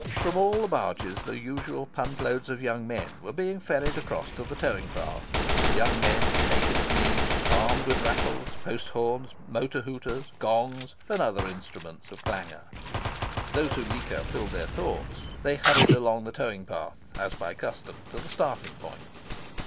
From all the barges the usual punt loads of young men were being ferried across to the towing path young men naked of knee, armed with rattles, post horns, motor hooters, gongs, and other instruments of clangour. Though Zuleika filled their thoughts, they hurried along the towing path, as by custom, to the starting point.